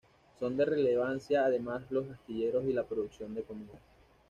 Son de relevancia además los astilleros y la producción de comida.